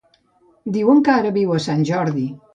Diuen que ara viu a Sant Jordi.